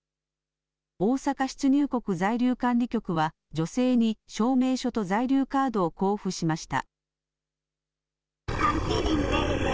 大阪出入国在留管理局は女性に証明書と在留カードを交付しました。